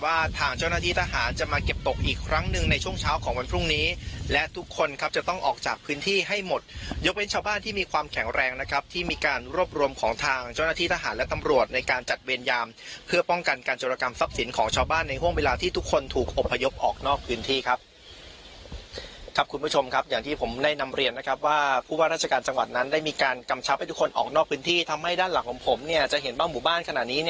ว่าทางเจ้าหน้าที่ทหารจะมาเก็บตกอีกครั้งหนึ่งในช่วงเช้าของวันพรุ่งนี้และทุกคนครับจะต้องออกจากพื้นที่ให้หมดยกเป็นชาวบ้านที่มีความแข็งแรงนะครับที่มีการรบรวมของทางเจ้าหน้าที่ทหารและตำรวจในการจัดเวรยามเพื่อป้องกันการจรกรรมทรัพย์สินของชาวบ้านในห้วงเวลาที่ทุกคนถูกอบพยพออกนอก